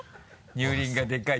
乳輪がでかい。